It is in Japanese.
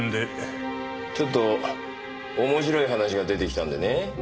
ちょっと面白い話が出てきたんでね。